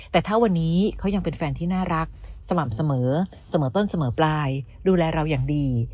แต่ถ้าวันนี้เขายังเป็นแฟนที่น่ารักสม่ำเสมอเสมอต้นเสมอปลายดูแลเราอย่างดี